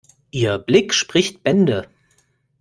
Ihr Blick spricht Bände.